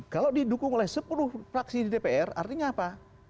kalau didukung oleh sepuluh praksi di dpr artinya apa